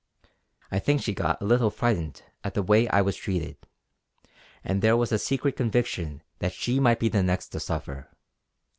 I think she got a little frightened at the way I was treated; and there was a secret conviction that she might be the next to suffer.